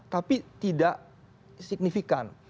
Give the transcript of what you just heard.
tapi tidak signifikan